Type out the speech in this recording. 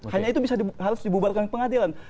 hanya itu bisa harus dibubarkan pengadilan